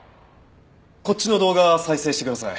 こっちの動画再生してください。